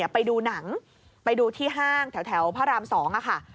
ไปดูหนังไปดูที่ห้างแถวพระราม๒ค่ะ